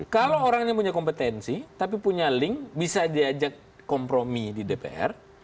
kalau orang ini punya kompetensi tapi punya link bisa diajak kompromi di dpr